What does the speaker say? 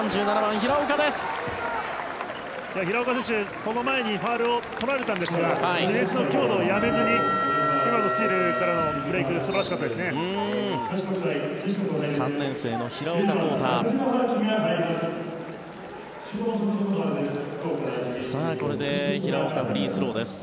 平岡自身、その前にファウルを取られたんですがディフェンスをやめずに今のスチールからのブレーク素晴らしかったですね。